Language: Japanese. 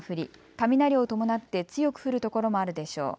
雷を伴って強く降る所もあるでしょう。